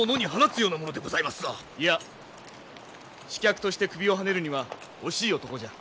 いや刺客として首をはねるには惜しい男じゃ。